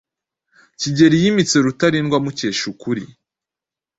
Kigeli yimitse Rutalindwa amukesha ukuri